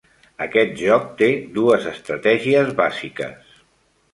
Aquest joc té dues estratègies bàsiques.